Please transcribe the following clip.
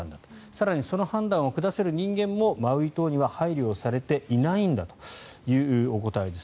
更にその判断を下せる人間もマウイ島には配備されていないんだというお答えです。